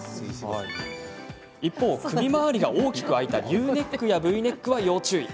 一方、首まわりが大きく開いたＵネックやＶネックは要注意。